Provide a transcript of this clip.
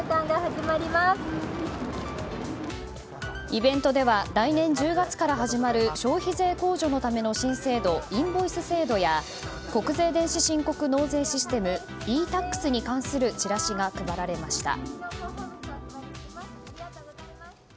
イベントでは来年１０月から始まる消費税公助のための新制度インボイス制度や国税電子申告納税システムｅ‐Ｔａｘに関するチラシが配られました。